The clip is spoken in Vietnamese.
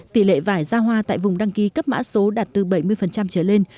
tỷ lệ vải ra hoa tại vùng đăng ký cấp mã số đạt từ bảy mươi trở lên